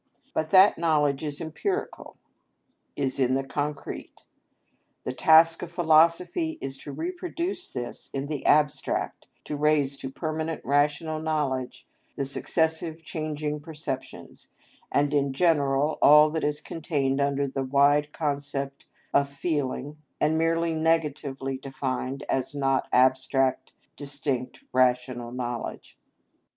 But that knowledge is empirical, is in the concrete; the task of philosophy is to reproduce this in the abstract to raise to permanent rational knowledge the successive changing perceptions, and in general, all that is contained under the wide concept of feeling and merely negatively defined as not abstract, distinct, rational knowledge.